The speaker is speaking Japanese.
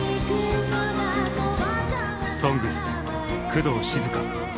「ＳＯＮＧＳ」工藤静香。